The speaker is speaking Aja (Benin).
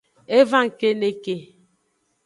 E va ngkeneke.